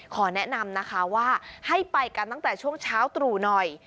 ขอแนะนำนะคะว่าให้ไปกันตั้งแต่ช่วงเช้าตรู่หน่อย